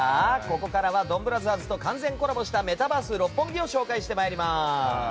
ここからは「ドンブラザーズ」と完全コラボしたメタバース六本木を紹介してまいります。